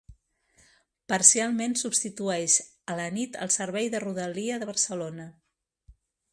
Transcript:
Parcialment substitueix a la nit el servei de Rodalia de Barcelona.